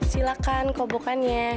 silahkan kobokan ya